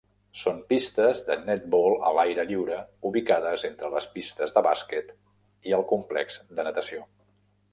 Són pistes de "netball" a l'aire lliure ubicades entre les pistes de bàsquet i el complex de natació.